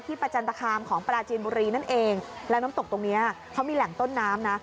ประจันตคามของปราจีนบุรีนั่นเองแล้วน้ำตกตรงเนี้ยเขามีแหล่งต้นน้ำนะ